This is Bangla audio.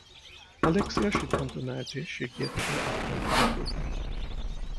অ্যালেক্সিয়া সিদ্ধান্ত নেয় যে, সে গিয়ে তাদের আত্মা উদ্ধার করবে।